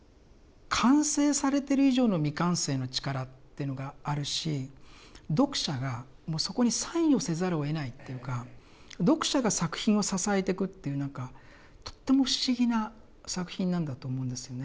完成されてる以上の未完成の力っていうのがあるし読者がもうそこに参与せざるをえないというか読者が作品を支えてくという何かとっても不思議な作品なんだと思うんですよね。